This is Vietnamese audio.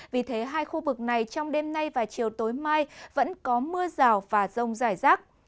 vì thế hai khu vực này trong đêm nay và chiều tối mai vẫn có mưa rào và rông rải rác